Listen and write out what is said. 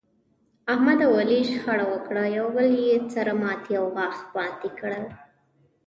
احمد او علي شخړه وکړه، یو بل یې سر ماتی او غاښ ماتی کړل.